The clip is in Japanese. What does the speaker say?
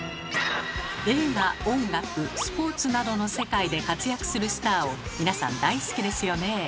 映画音楽スポーツなどの世界で活躍するスターを皆さん大好きですよね。